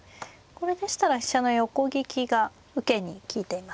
これでしたら飛車の横利きが受けに利いていますね。